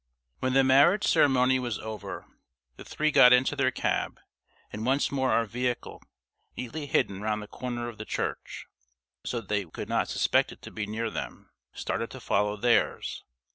When the marriage ceremony was over, the three got into their cab and once more our vehicle (neatly hidden round the corner of the church, so that they could not suspect it to be near them) started to follow theirs.